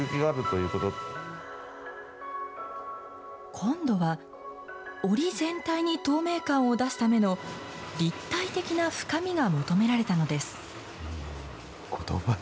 今度は織り全体に透明感を出すための、立体的な深みが求められたのです。